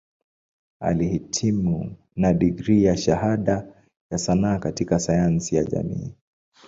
Alihitimu na digrii ya Shahada ya Sanaa katika Sayansi ya Jamii.